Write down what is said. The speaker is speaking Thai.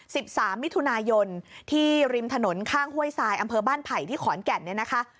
สิบสามมิถุนายนที่ริมถนนข้างห้วยทรายอำเภอบ้านไผ่ที่ขอนแก่นเนี่ยนะคะ